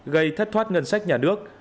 gây thất thoát ngân sách nhà nước